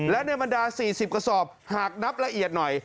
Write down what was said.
และในบรรดา๔๐กระสอบหากนับละเอียดหน่อย